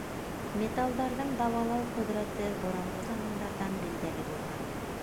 Металдарҙың дауалау ҡөҙрәте боронғо замандарҙан билдәле булған.